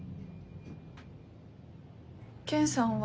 ケンさんは。